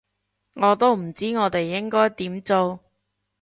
我都唔知我哋應該點做